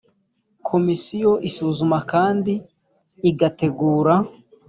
komisiyo isuzuma kandi igategura